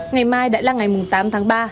ngày mai đã là ngày mùng tám tháng ba